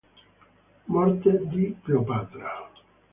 Morte di Cleopatra